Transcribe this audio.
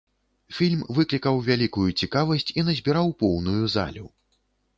Фільм выклікаў вялікую цікавасць і назбіраў поўную залю.